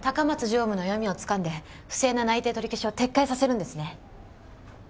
常務の弱みをつかんで不正な内定取り消しを撤回させるんですね。